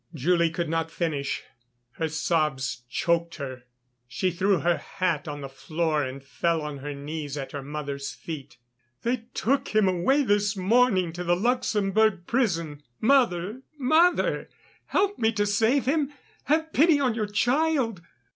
Julie could not finish, her sobs choked her. She threw her hat on the floor and fell on her knees at her mother's feet. "They took him away this morning to the Luxembourg prison. Mother, mother, help me to save him; have pity on your child!"